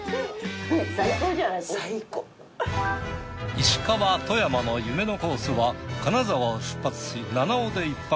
石川富山の夢のコースは金沢を出発し七尾で１泊。